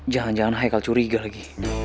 jangan jangan haikal curiga lagi